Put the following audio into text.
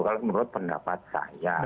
kalau menurut pendapat saya